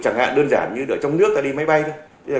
chẳng hạn đơn giản như ở trong nước đi máy bay thôi